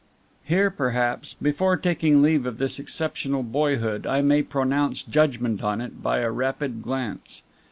Here, perhaps, before taking leave of this exceptional boyhood, I may pronounce judgment on it by a rapid glance.